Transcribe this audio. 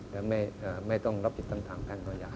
และไม่ต้องรับผิดทั้งทางแพ่งหรืออาญา